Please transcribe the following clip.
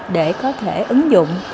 để có thể ứng dụng